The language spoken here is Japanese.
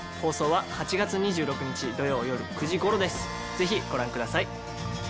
ぜひご覧ください。